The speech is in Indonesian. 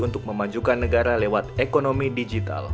untuk memajukan negara lewat ekonomi digital